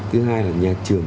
thứ hai là nhà trường